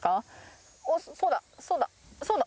そうだそうだ